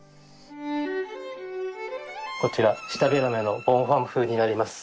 こちら舌平目のボンファム風になります。